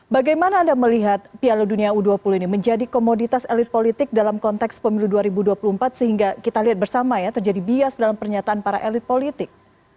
bagaimana anda melihat piala dunia u dua puluh ini menjadi komoditas elit politik dalam konteks pemilu dua ribu dua puluh empat sehingga kita lihat bersama ya terjadi bias dalam pernyataan para elit politik